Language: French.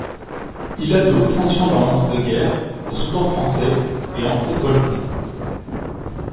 Il a de hautes fonctions dans l'entre-deux-guerres au Soudan français et en Haute-Volta.